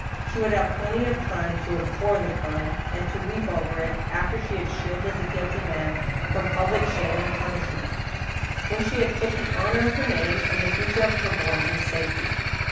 She would have plenty of time to abhor the crime and to weep over it after she had shielded the guilty man from public shame and punishment ; when she had put the honor . of her name and the future of her boy in safety.